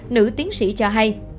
nữ tiến sĩ cho hay